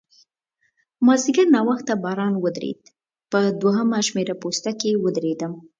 مازیګر ناوخته باران ودرېد، په دوهمه شمېره پوسته کې ودرېدم.